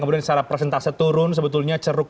kemudian secara persentase turun sebetulnya ceruk